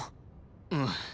うん。